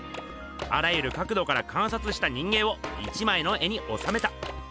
あらゆるかくどからかんさつした人間を１枚の絵におさめた！